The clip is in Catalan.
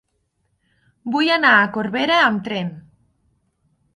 Vull anar a Corbera amb tren.